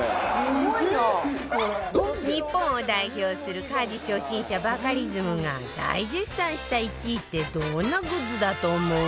日本を代表する家事初心者バカリズムが大絶賛した１位ってどんなグッズだと思う？